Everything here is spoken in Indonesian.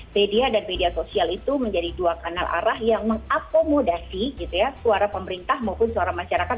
media dan media sosial itu menjadi dua kanal arah yang mengakomodasi suara pemerintah maupun suara masyarakat